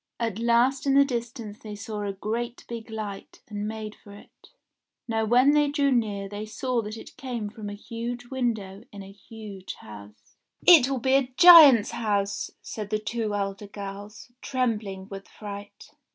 At last in the distance they saw a great big light, and made for it. Now when they drew near they saw that it came from a huge window in a huge house. 335 336 ENGLISH FAIRY TALES It will be a giant's house," said the two elder girls, trembling with fright.